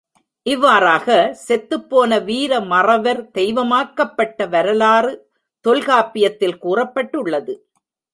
இவ்வாறாக, செத்துப் போன வீர மறவர் தெய்வமாக்கப்பட்ட வரலாறு தொல்காப்பியத்தில் கூறப்பட்டுள்ளது.